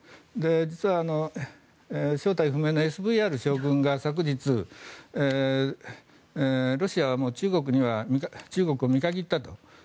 実は正体不明のＳＶＲ将軍が昨日、ロシアはもう中国を見限ったと。